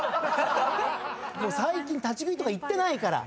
もう最近立ち食いとか行ってないから。